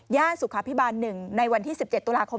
สุขภิบาล๑ในวันที่๑๗ตุลาคม